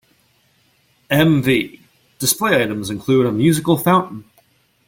M V. Display items include a musical fountain.